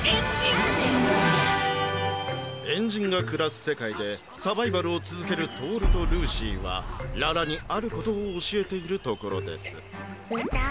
えんじんがくらすせかいでサバイバルをつづけるトオルとルーシーはララにあることをおしえているところですうた？